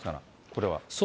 これは。